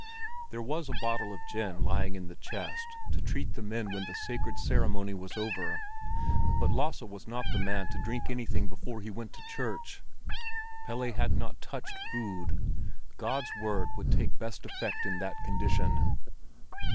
There was a bottle of gin lying in the chest to treat the men with when the sacred ceremony was over; but Lasse was not the man to drink anything before he went to church. Pelle had not touched food; God's Word would take best effect in that condition.